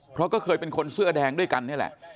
เพราะก็เคยเป็นคนเสื้อแดงด้วยกันนี่แหละ